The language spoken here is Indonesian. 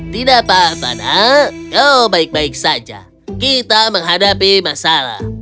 tidak apa apa nak kau baik baik saja kita menghadapi masalah